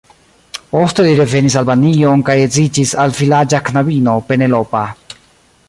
Poste li revenis Albanion kaj edziĝis al vilaĝa knabino, Penelopa.